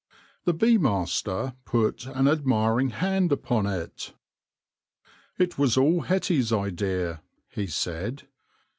The bee master put an admiring hand upon it. " It was all Hetty's idea," he said.